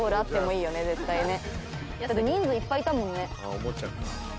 人数いっぱいいたもんね。